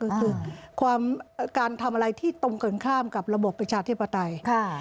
ก็คือการทำอะไรที่ตรงกันข้ามกับระบบประชาธิปไตย